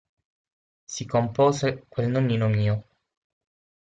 Si compose quel nonnino mio!